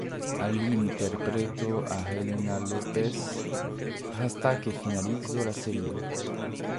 Allí interpretó a Helena López hasta que finalizó la serie.